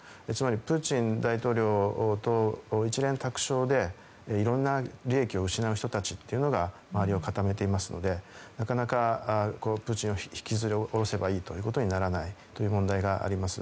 プーチン大統領と一蓮托生でいろんな利益を失う人たちが周りを固めているのでなかなかプーチンを引きずり降ろせばいいということにならないという問題があります。